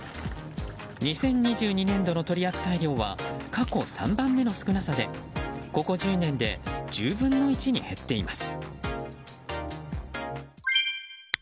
２０２２年度の取扱量は過去３番目の少なさでここ１０年で１０分の１に減っています。